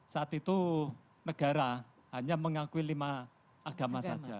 saat itu negara hanya mengakui lima agama saja